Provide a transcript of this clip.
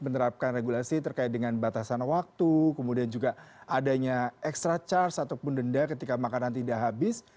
menerapkan regulasi terkait dengan batasan waktu kemudian juga adanya extra charge ataupun denda ketika makanan tidak habis